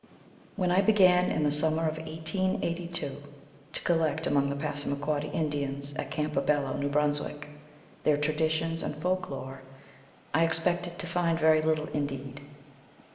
WHEN I began, in the summer of 1882, to collect among the Passamaquoddy Indians at Campobello, New Brunswick, their traditions and folk lore, I expected to find very little indeed.